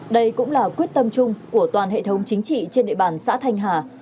đây cũng là quyết tâm chung của toàn hệ thống chính trị trên địa bàn xã thanh hà